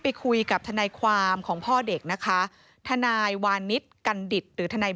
ไปคุยกับทนายความของพ่อเด็กนะคะทนายวานิสกันดิตหรือทนาย